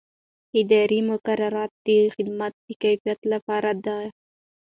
اداري مقررات د خدمت د کیفیت لپاره دي.